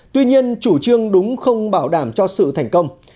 tuy nhiên chủ trương đúng không bảo đảm cho sự thành công